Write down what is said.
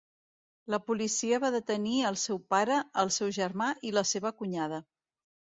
La policia va detenir el seu pare, el seu germà i la seva cunyada.